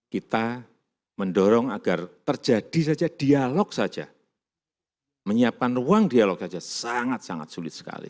kita mendorong agar terjadi saja dialog saja menyiapkan ruang dialog saja sangat sangat sulit sekali